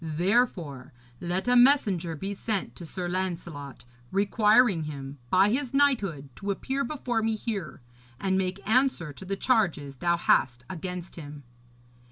Therefore, let a messenger be sent to Sir Lancelot requiring him, by his knighthood, to appear before me here, and make answer to the charges thou hast against him.'